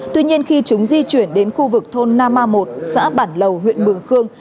tuy nhiên khi chúng di chuyển đến khu vực thôn nama một xã bản lầu huyện mường khương